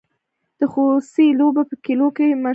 د خوسي لوبه په کلیو کې مشهوره ده.